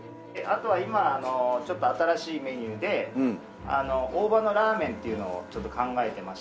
あとは今ちょっと新しいメニューで大葉のラーメンっていうのをちょっと考えてまして。